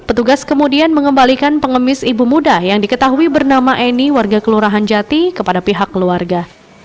petugas kemudian mengembalikan pengemis ibu muda yang diketahui bernama eni warga kelurahan jati kepada pihak keluarga